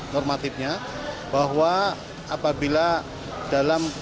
normatifnya bahwa apabila dalam